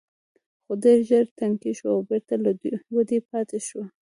خو ډېر ژر ټکنۍ شوه او بېرته له ودې پاتې شوه.